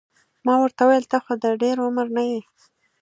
ما ورته وویل ته خو د ډېر عمر نه یې.